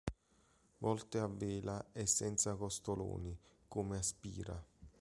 Volte a vela e senza costoloni, come a Spira.